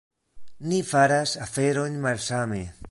Ni faras aferojn malsame.